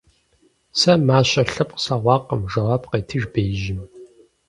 - Сэ мащэ лъэпкъ слъэгъуакъым! - жэуап къетыж беижьым.